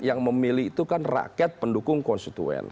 yang memilih itu kan rakyat pendukung konstituen